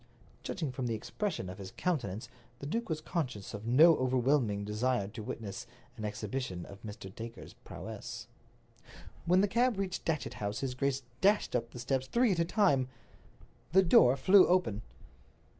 Judging from the expression of his countenance, the duke was conscious of no overwhelming desire to witness an exhibition of Mr. Dacre's prowess. When the cab reached Datchet House his grace dashed up the steps three at a time. The door flew open.